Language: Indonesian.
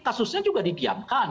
kasusnya juga didiamkan